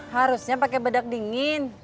harusnya pakai bedak dingin